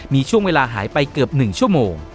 มีช่วงเวลาหายไปเกือบ๑ชั่วโมง